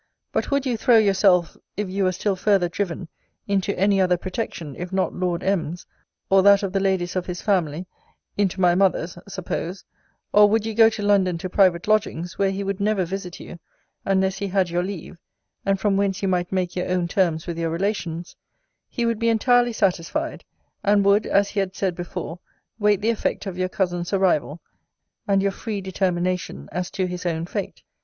But would you throw yourself, if you were still farther driven, into any other protection, if not Lord M.'s, or that of the ladies of his family, into my mother's,* suppose; or would you go to London to private lodgings, where he would never visit you, unless he had your leave (and from whence you might make your own terms with your relations); he would be entirely satisfied; and would, as he had said before, wait the effect of your cousin's arrival, and your free determination as to his own fate.